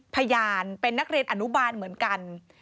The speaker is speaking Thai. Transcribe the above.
พยานเป็นนักเรียนอนุบาลเหมือนกัน